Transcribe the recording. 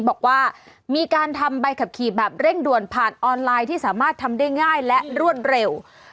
บอกว่ามีการทำใบขับขี่แบบเร่งด่วนผ่านออนไลน์ที่สามารถทำได้ง่ายและรวดเร็ว